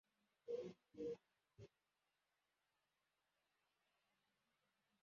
Umuhungu umwe niwe bafite